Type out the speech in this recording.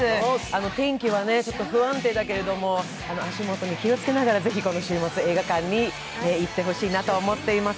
天気は不安定だけれども足元に気をつけながら、ぜひこの週末、映画館に行ってもらいたいと思います。